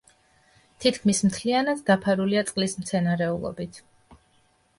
თითქმის მთლიანად დაფარულია წყლის მცენარეულობით.